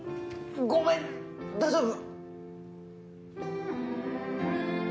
ごめん大丈夫？